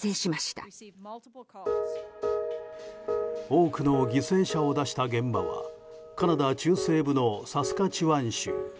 多くの犠牲者を出した現場はカナダ中西部のサスカチワン州。